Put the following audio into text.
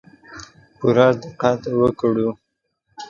پوره دقت وکړو.